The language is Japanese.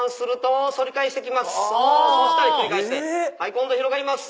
今度広がります。